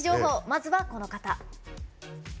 まずは、この方。